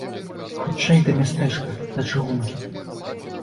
Хутчэй да мястэчка, да чыгункі!